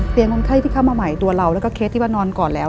คนไข้ที่เข้ามาใหม่ตัวเราแล้วก็เคสที่ว่านอนก่อนแล้ว